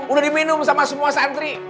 udah diminum sama semua santri